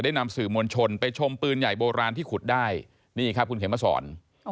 นำสื่อมวลชนไปชมปืนใหญ่โบราณที่ขุดได้นี่ครับคุณเขมมาสอน